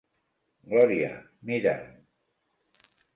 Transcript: Gloria, mira'm!